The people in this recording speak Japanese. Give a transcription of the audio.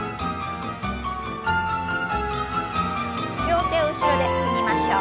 両手を後ろで組みましょう。